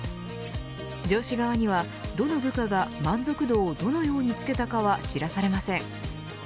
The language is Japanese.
上司側には、どの部下が満足度をどのようにつけたかは知らされません。